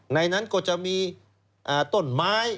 ในนั้นก็จะมีต้นไม้